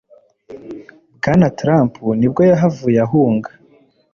Bwana Trump nibwo yahavuye ahunga